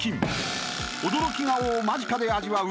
［驚き顔を間近で味わう